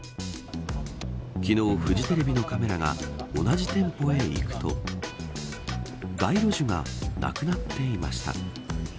昨日、フジテレビのカメラが同じ店舗へ行くと街路樹がなくなっていました。